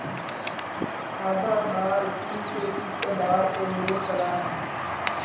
آدھا سال ان کے اقتدار کو ہو چلا ہے۔